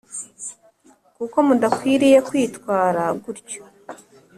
kuko mudakwiriye kwitwara gutyo